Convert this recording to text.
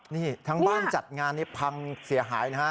นี่ทั้งบ้านจัดงานนี้พังเสียหายนะฮะ